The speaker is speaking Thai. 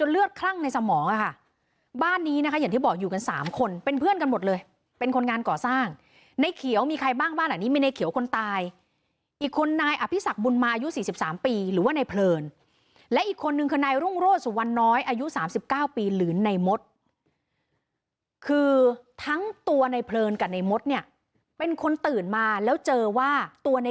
เลือดคลั่งในสมองค่ะบ้านนี้นะคะอย่างที่บอกอยู่กันสามคนเป็นเพื่อนกันหมดเลยเป็นคนงานก่อสร้างในเขียวมีใครบ้างบ้านหลังนี้มีในเขียวคนตายอีกคนนายอภิษักบุญมายุ๔๓ปีหรือว่าในเพลินและอีกคนนึงคือนายรุ่งโรศสุวรรณน้อยอายุ๓๙ปีหรือในมดคือทั้งตัวในเพลินกับในมดเนี่ยเป็นคนตื่นมาแล้วเจอว่าตัวใน